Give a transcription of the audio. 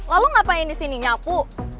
lalu ngapain disini nyapu